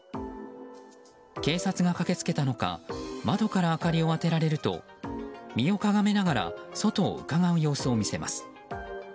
警察が駆け付けたのか窓から明かりを当てられると身をかがめながら外をうかがう様子を見せます。